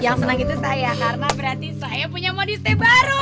yang seneng itu saya karena berarti saya punya modis testa baru